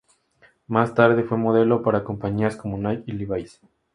Más tarde fue modelo para compañías como Nike y Levi's.